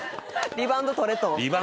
「リバウンドとれ！」